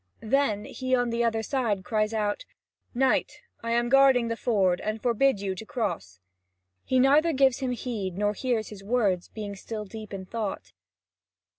Then he on the other side cries out: "Knight, I am guarding the ford, and forbid you to cross." He neither gives him heed, nor hears his words, being still deep in thought.